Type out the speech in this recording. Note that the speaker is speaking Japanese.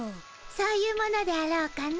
そういうものであろうかの。